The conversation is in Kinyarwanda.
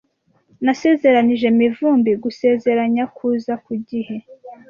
Nasezeranije Mivumbi gusezeranya kuza ku gihe.